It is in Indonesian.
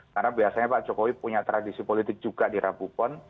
karena biasanya pak jokowi punya tradisi politik juga di rabupon